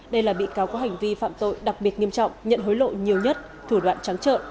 đây là bị cáo có hành vi phạm tội đặc biệt nghiêm trọng nhận hối lộ nhiều nhất thủ đoạn trắng trợ